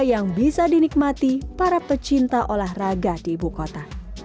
yang bisa dinikmati para pecinta olahraga di ibu kota